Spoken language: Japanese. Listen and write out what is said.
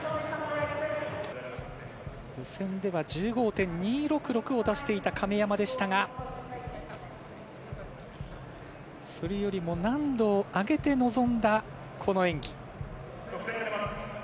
予選では１５．２６６を出していた亀山でしたがそれよりも難度を上げて臨んだこの演技。